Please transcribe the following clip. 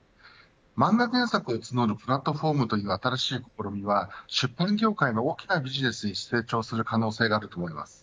漫画原作を募るプラットフォームという新しい試みは出版業界の大きなビジネスに成長する可能性があると思います。